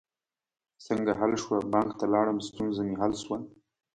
څنګه حل شوه؟ بانک ته لاړم، ستونزه می حل شوه